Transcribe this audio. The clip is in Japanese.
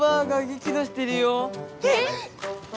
えっ！